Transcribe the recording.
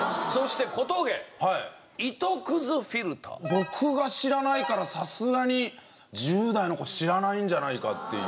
僕が知らないからさすがに１０代の子知らないんじゃないかっていう。